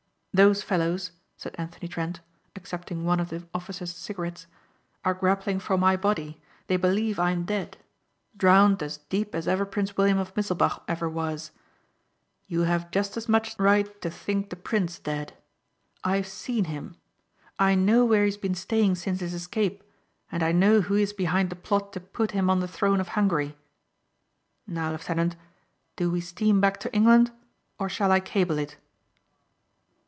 "Those fellows," said Anthony Trent, accepting one of the officer's cigarettes, "are grappling for my body. They believe I'm dead. Drowned as deep as ever Prince William of Misselbach ever was. You have just as much right to think the prince dead. I've seen him. I know where he's been staying since his escape and I know who is behind the plot to put him on the throne of Hungary. Now, Lieutenant, do we steam back to England or shall I cable it?"